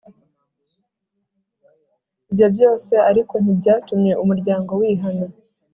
Ibyo byose ariko ntibyatumye umuryango wihana,